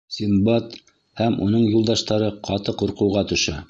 Синдбад һәм уның юлдаштары ҡаты ҡурҡыуға төшә.